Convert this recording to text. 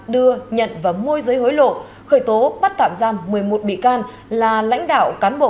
đưa nhận và môi giới hối lộ khởi tố bắt tạm giam một mươi một bị can là lãnh đạo cán bộ